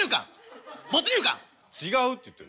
違うって言ってる。